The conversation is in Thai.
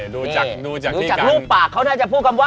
ดูจากรูปปากเขาน่าจะพูดคำว่า